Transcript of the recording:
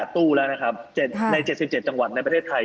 ตู้แล้วนะครับใน๗๗จังหวัดในประเทศไทย